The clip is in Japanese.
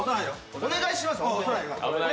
お願いしますよ。